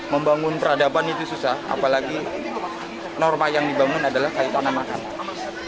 membangun peradaban itu susah apalagi norma yang dibangun adalah kaitan anak anak